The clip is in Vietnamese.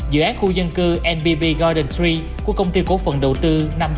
dự án khu dân cư nbb garden tree của công ty cổ phần đầu tư năm trăm bảy mươi bảy